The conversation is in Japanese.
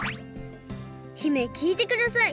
姫きいてください。